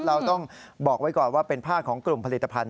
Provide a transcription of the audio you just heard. เราต้องบอกไว้ก่อนว่าเป็นผ้าของกลุ่มผลิตภัณฑ